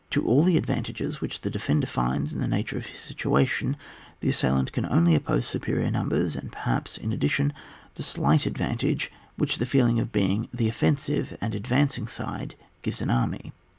To all the advantages which the defender finds in the nature of his situa tion, the assailant can only oppose supe rior numbers ; and, perhaps, in addition, the slight advantage which the feeling of being the offensive and advancing side gives an army.